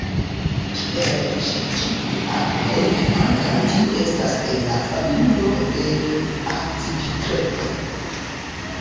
Kiel ĉe ĉiuj agloj, ankaŭ tiu estas en la familio de Akcipitredoj.